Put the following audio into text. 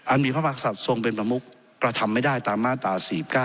มีพระมหากษัตริย์ทรงเป็นประมุกกระทำไม่ได้ตามมาตรา๔๙